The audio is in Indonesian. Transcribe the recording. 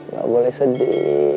gak boleh sedih